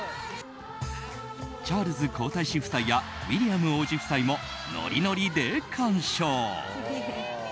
チャールズ皇太子夫妻やウィリアム王子夫妻もノリノリで鑑賞。